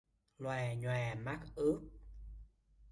Loà nhoà mắt ướt